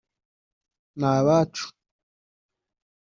ni abacu